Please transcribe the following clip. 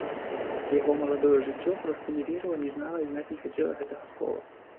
Яго маладое жыццё проста не верыла, не знала і знаць не хацела гэтага слова.